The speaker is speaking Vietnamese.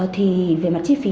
thì về mặt chi phí